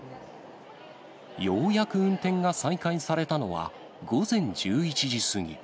ようやく運転が再開されたのは、午前１１時過ぎ。